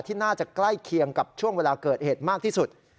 น่าจะใกล้เคียงกับช่วงเวลาเกิดเหตุมากที่สุด